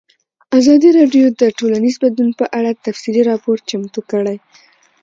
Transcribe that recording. ازادي راډیو د ټولنیز بدلون په اړه تفصیلي راپور چمتو کړی.